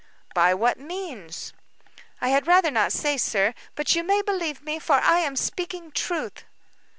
"By what means?" "I had rather not say, sir. But you may believe me, for I am speaking truth."